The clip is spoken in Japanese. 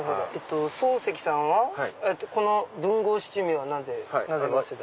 漱石さんはこの文豪七味はなぜ早稲田？